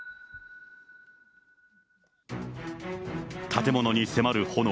建物に迫る炎。